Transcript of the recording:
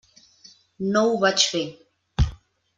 No ho vaig fer.